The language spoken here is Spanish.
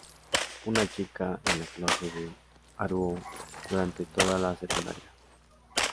Una chica en la clase de Haruo durante toda la secundaria.